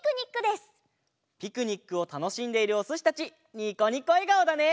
ピクニックをたのしんでいるおすしたちニコニコえがおだね！